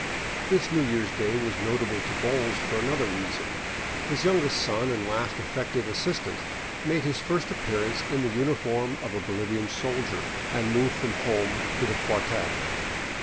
This New Year's Day was notable to Bowles for another reason. His youngest son and last effective assistant made his first appearance in the uniform of a Bolivian soldier, and moved from home to the cuar tel.